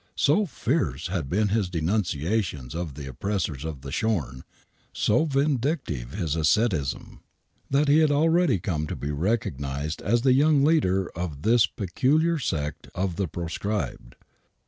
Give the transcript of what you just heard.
So fierce h::d been his denunciations of the oppressors of the Shorn, so virdictive his personal ascetism, that he had already come to be recognized as the young leader of this peculiar sect of the proscribed.